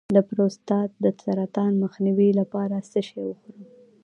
د پروستات د سرطان مخنیوي لپاره څه شی وخورم؟